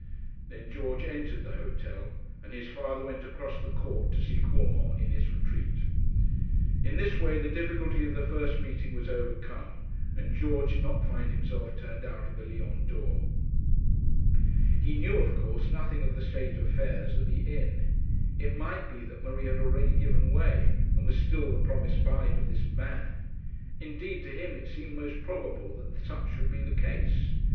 Then George entered the hotel, and his father went across the court to seek Urmand in his retreat. In this way the difficulty of the first meeting was overcome, and George did not find himself turned out of the Lion d'Or. He knew of course nothing of the state of affairs at the inn. It might be that Marie had already given way, and was still the promised bride of this man. Indeed, to him it seemed most probable that such should be the case.